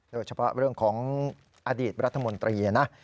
โดยเฉพาะเรื่องของอดีตรัฐมนตรีนะ